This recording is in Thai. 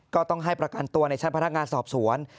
ก็ต้องให้ประกันตัวในชั้นพนักงานสอบสวน